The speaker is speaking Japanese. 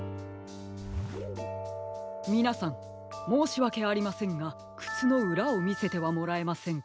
みなさんもうしわけありませんがくつのうらをみせてはもらえませんか？